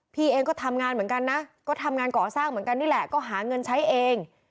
พี่เองก็ทำงานเหมือนกันนะก็ทำงานก่อสร้างเหมือนกันนี่แหละก็หาเงินใช้เอง